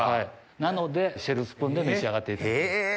なのでシェルスプーンで召し上がっていただきます。